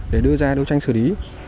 để đưa ra đấu tranh xử lý